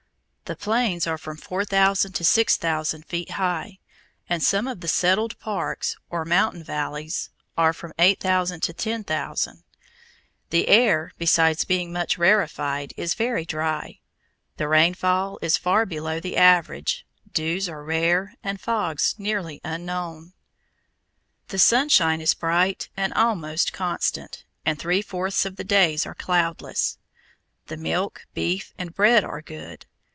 The plains are from 4,000 to 6,000 feet high, and some of the settled "parks," or mountain valleys, are from 8,000 to 10,000. The air, besides being much rarefied, is very dry. The rainfall is far below the average, dews are rare, and fogs nearly unknown. The sunshine is bright and almost constant, and three fourths of the days are cloudless. The milk, beef, and bread are good.